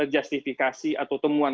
justifikasi atau temuan